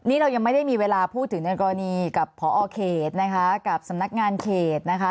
นี่เรายังไม่ได้มีเวลาพูดถึงในกรณีกับพอเขตนะคะกับสำนักงานเขตนะคะ